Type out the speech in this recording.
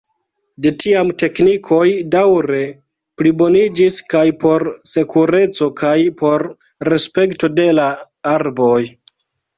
De tiam teknikoj daŭre pliboniĝis kaj por sekureco kaj por respekto de la arboj.